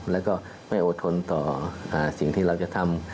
แล้วก็ไม่อดทนต่อสิ่งที่เราจะทำ